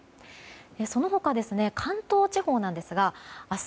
その他、関東地方ですが明日